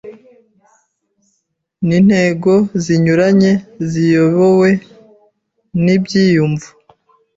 nintego zinyuranye ziyobowe nibyiyumvo